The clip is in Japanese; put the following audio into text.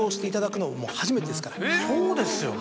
そうですよね。